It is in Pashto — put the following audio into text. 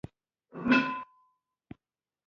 د ژوند شپږ اخلاقي اصول: